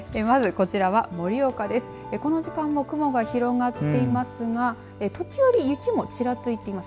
この時間も雲が広がっていますが時折、雪もちらついています。